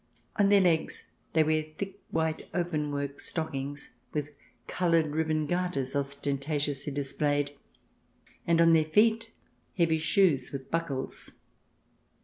On their legs they 104 THE DESIRABLE ALIEN [ch. vii wear thick, white, openwork stockings, with coloured ribbon garters ostentatiously displayed, and on their feet heavy shoes with buckles.